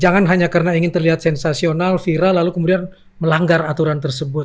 jangan hanya karena ingin terlihat sensasional viral lalu kemudian melanggar aturan tersebut